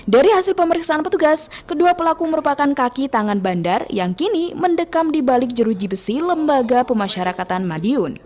dari hasil pemeriksaan petugas kedua pelaku merupakan kaki tangan bandar yang kini mendekam di balik jeruji besi lembaga pemasyarakatan madiun